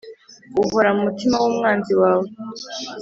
Uhora mumutima wumwanzi wawe